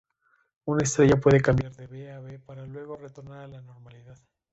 Una estrella puede cambiar de B a Be para luego retornar a la normalidad.